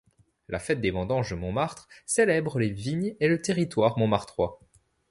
La fête des vendanges de Montmartre célèbre les vignes et le territoire montmartrois.